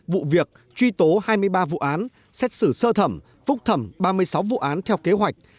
vụ việc truy tố hai mươi ba vụ án xét xử sơ thẩm phúc thẩm ba mươi sáu vụ án theo kế hoạch